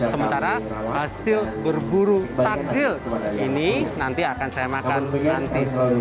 sementara hasil berburu takjil ini nanti akan saya makan nanti